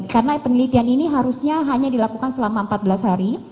karena penelitian ini harusnya hanya dilakukan selama empat belas hari